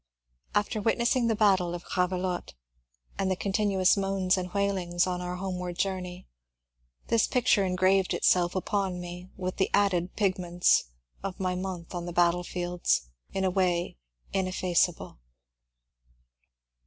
After witnessing the battle of Gravelotte, and the con tinuous moans and ¥railing8 on our homeward jonmey, this picture engraved itself upon me with the added pigments of my month on battlefields in a way inefiEaceable.